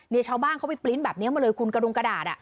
เนี่ยชาวบ้านเขาไปปลิ้นแบบนี้มาเลยคุณกระดูกกระดาษ